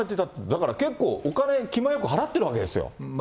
だから結構、お金、気前よく払ってるわけですよ。